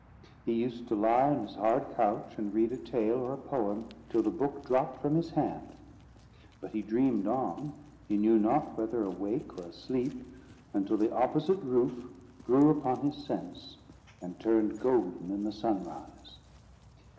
He used to lie on his hard couch, and read a tale or a poem, till the book dropped from his hand; but he dreamed on, he knew not whether awake or asleep, until the opposite roof grew upon his sense, and turned golden in the sunrise.